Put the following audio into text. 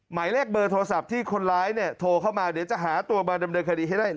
หมายเลขเบอร์โทรศัพท์ที่คนร้ายเนี่ยโทรเข้ามาเดี๋ยวจะหาตัวมาดำเนินคดีให้ได้